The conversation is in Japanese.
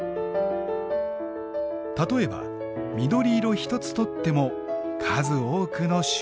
例えば緑色一つとっても数多くの種類が。